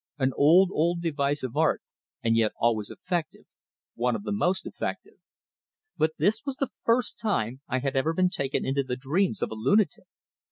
An old, old device of art; and yet always effective, one of the most effective! But this was the first time I had ever been taken into the dreams of a lunatic.